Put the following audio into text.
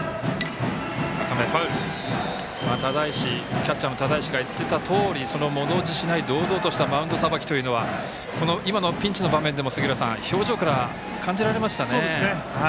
キャッチャーの只石が言っていたとおりそのものおじしない堂々としたマウンドさばきというのは今のピンチの場面でも表情から感じられましたね。